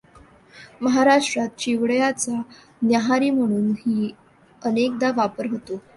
महाराष्ट्रात चिवडयाचा न्याहारी म्हणूनही अनेकदा वापर होतो.